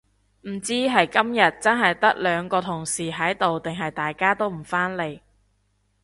唔知係今日真係得兩個同事喺度定係大家都唔返嚟